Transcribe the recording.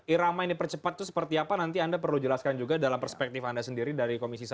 irama yang dipercepat itu seperti apa nanti anda perlu jelaskan juga dalam perspektif anda sendiri dari komisi satu